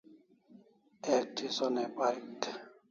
Ek thi sonai parik